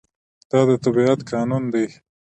دا د طبیعت قانون دی.